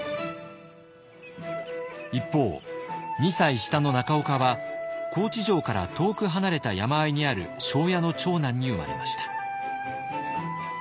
一方２歳下の中岡は高知城から遠く離れた山あいにある庄屋の長男に生まれました。